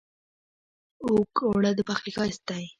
اوړه د پخلي ښايست دی